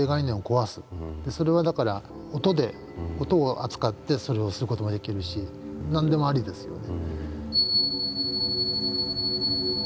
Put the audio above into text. それはだから音を扱ってそれをする事ができるし何でもありですよね。